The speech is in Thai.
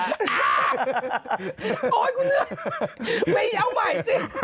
เอาไป